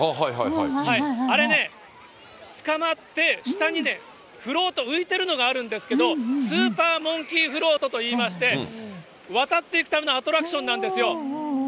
あれね、つかまって下にね、フロート、浮いてるのがあるんですけど、スーパーモンキーフロートといいまして、渡っていくためのアトラクションなんですよ。